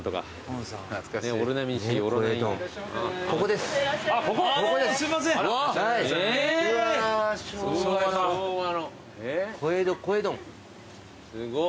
すごい。